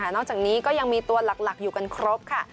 นอกจากนี้ก็ยังมีตัวหลักอยู่กันครบค่ะ